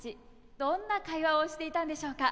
どんな会話をしていたんでしょうか。